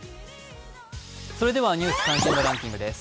「ニュース関心度ランキング」です。